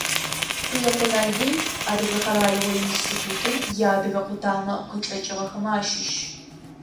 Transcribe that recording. Къуекъо Налбый, Адыгэ къэралыгъо институтым иадыгэ къутамэ къычӏэкӏыгъэхэмэ ащыщ.